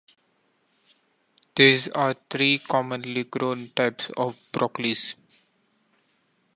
There are three commonly grown types of broccoli.